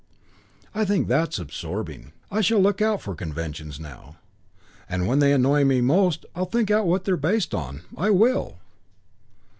I think that's absorbing. I shall look out for conventions now, and when they annoy me most I'll think out what they're based on. I will!"